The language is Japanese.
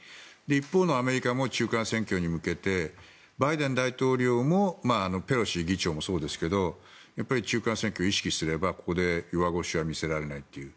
一方のアメリカも中間選挙に向けてバイデン大統領もペロシ議長もそうですが中間選挙を意識すれば、ここで弱腰は見せられないという。